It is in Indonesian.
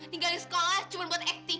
tinggalin sekolah cuma buat akting